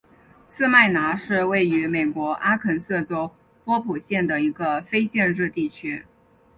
士麦拿是位于美国阿肯色州波普县的一个非建制地区。